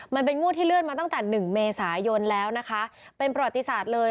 มันเป็นงวดที่เลื่อนมาตั้งแต่หนึ่งเมษายนแล้วนะคะเป็นประวัติศาสตร์เลย